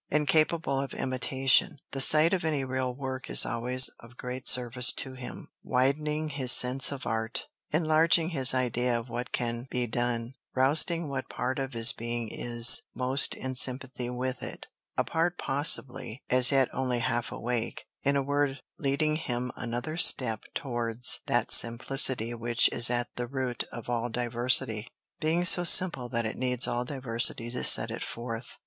Incapable of imitation, the sight of any real work is always of great service to him, widening his sense of art, enlarging his idea of what can be done, rousing what part of his being is most in sympathy with it, a part possibly as yet only half awake; in a word, leading him another step towards that simplicity which is at the root of all diversity, being so simple that it needs all diversity to set it forth.